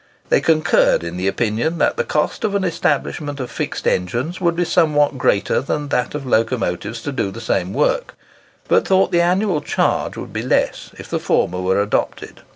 They concurred in the opinion that the cost of an establishment of fixed engines would be somewhat greater than that of locomotives to do the same work; but thought the annual charge would be less if the former were adopted.